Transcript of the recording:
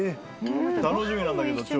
楽しみなんだけど。